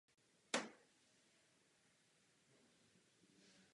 Budova fary je také chráněna jako kulturní památka České republiky.